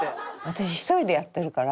私１人でやってるから。